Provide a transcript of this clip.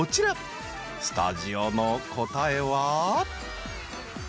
［スタジオの答えは］